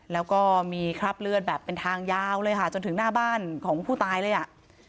แล้วก็มีคราบเลือดแบบเป็นทางยาวเลยค่ะจนถึงหน้าบ้านของผู้ตายเลยอ่ะ